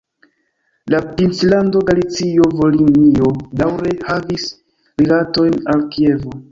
La princlando Galicio-Volinio daŭre havis rilatojn al Kievo.